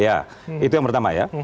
ya itu yang pertama ya